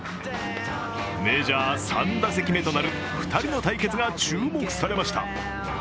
メジャー３打席目となる２人の対決が注目されました。